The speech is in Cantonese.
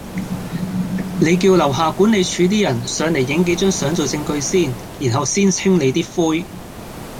你叫樓下管理處啲人上嚟影幾張相做証據先，然後先清理啲灰